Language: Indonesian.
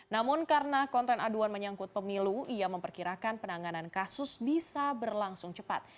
namun karena konten aduan menyangkut pemilu ia memperkirakan penanganan kasus bisa berlangsung cepat